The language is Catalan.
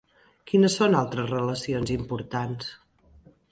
Quines són altres relacions importants?